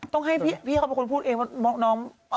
ต้องให้พี่เขาเป็นคนพูดเองว่าน้อง